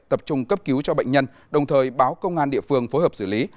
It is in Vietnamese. tập trung cấp cứu cho bệnh nhân đồng thời báo công an địa phương phối hợp xử lý